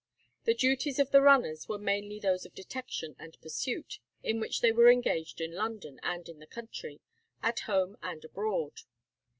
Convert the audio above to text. The duties of the "runners" were mainly those of detection and pursuit, in which they were engaged in London and in the country, at home and abroad.